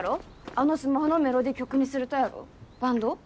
あのスマホのメロディー曲にするとやろバンド？